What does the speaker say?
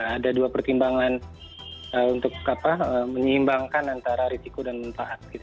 ada dua pertimbangan untuk menyimbangkan antara risiko dan manfaat